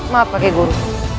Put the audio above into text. maaf kakek guru